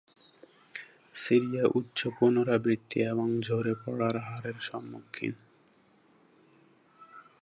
Syria উচ্চ পুনরাবৃত্তি এবং ঝরে পড়ার হারের সম্মুখীন।